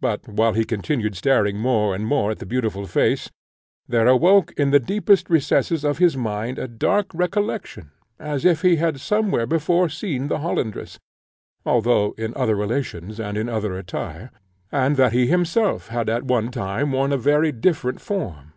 But while he continued staring more and more at the beautiful face, there awoke in the deepest recesses of his mind a dark recollection, as if he had somewhere before seen the Hollandress, although in other relations and in other attire, and that he himself had at one time worn a very different form.